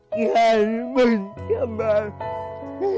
ตอนแรกว่าจะไม่มาแล้วทำไมป้าเก๋ถึงได้ตัดสินใจยอมมาในรายการของเราล่ะครับ